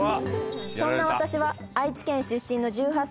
「そんな私は愛知県出身の１８歳で」